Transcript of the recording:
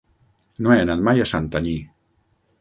No he anat mai a Santanyí.